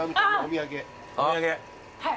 はい。